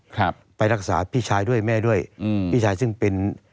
ครับไปรักษาพี่ชายด้วยแม่ด้วยอืมพี่ชายซึ่งเป็น